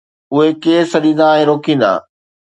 اهي ڪير سڏيندا ۽ روڪيندا؟